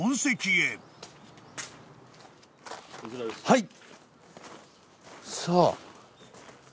はい。